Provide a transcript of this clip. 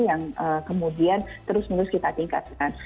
yang kemudian terus menerus kita tingkatkan